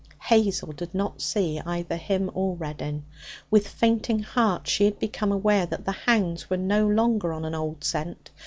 Hazel did not see either him or Reddin. With fainting heart she had become aware that the hounds were no longer on an old scent.